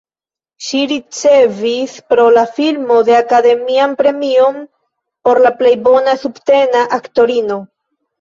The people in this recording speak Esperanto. Ŝi ricevis pro la filmo la Akademian Premion por la plej bona subtena aktorino.